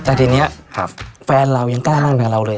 แต่นี้แฟนเรายังก็ได้น่ากับเราเลย